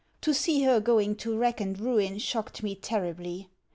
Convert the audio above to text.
To see her going to wrack and ruin shocked me terribly.